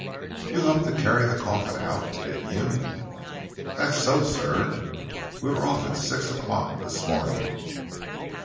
"You helped to carry the coffin out, didn't you?" "That's so, sir. We were off at six o'clock this morning."